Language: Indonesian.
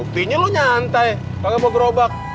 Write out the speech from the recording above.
buktinya lu nyantai kagak mau gerobak